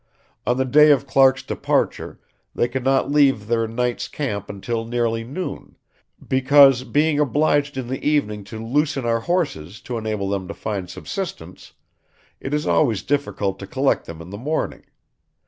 On the day of Clark's departure, they could not leave their night's camp until nearly noon, "because, being obliged in the evening to loosen our horses to enable them to find subsistence, it is always difficult to collect them in the morning....